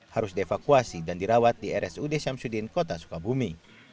harus dievakuasi dan dirawat di rsud syamsuddin kota sukabumi